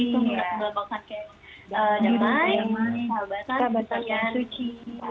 itu berasal dari bahasa kayak damai sahabatan suci